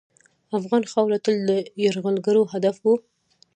افغان خاوره تل د یرغلګرو هدف وه.